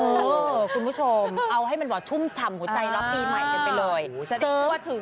คุณผู้ชมเอาให้มันแบบชุ่มฉ่ำหัวใจรับปีใหม่กันไปเลย